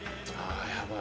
やばい。